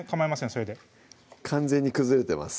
それで完全に崩れてます